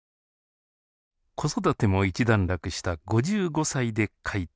子育ても一段落した５５歳で書いた作品。